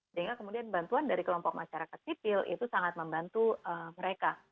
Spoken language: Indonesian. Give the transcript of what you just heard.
sehingga kemudian bantuan dari kelompok masyarakat sipil itu sangat membantu mereka